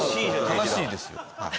悲しいですよはい。